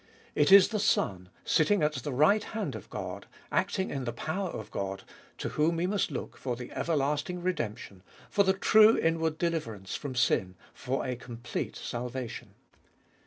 It is the Son, sitting at the right hand of God, acting in the power of God, to whom we must look for the everlasting redemption, for the true inward deliverance from sin, for a complete salvation.